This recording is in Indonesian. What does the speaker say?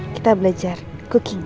kita belajar cooking oke